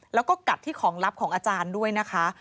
แล้วก็กัดที่ของลับของอาจารย์ด้วยนะคะ